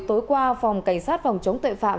tối qua phòng cảnh sát phòng chống tội phạm